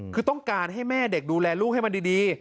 คือต้องการให้แม่เด็กดูแลลูกให้มันดี